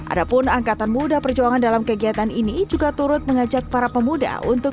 adapun angkatan muda perjuangan dalam kegiatan ini juga turut mengajak para pemuda untuk